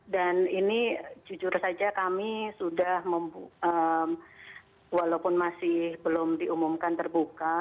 dan ini jujur saja kami sudah walaupun masih belum diumumkan terbuka